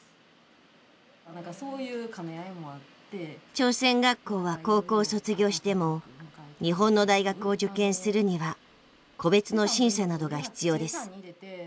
朝鮮学校は高校を卒業しても日本の大学を受験するには個別の審査などが必要です。